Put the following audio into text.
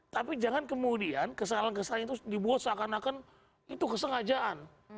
tapi jangan kemudian kesalahan kesalahan itu dibuat seakan akan itu kesengajaan